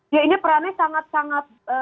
ya ini perannya sangat sangat